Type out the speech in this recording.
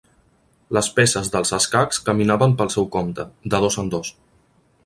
Les peces dels escacs caminaven pel seu compte, de dos en dos!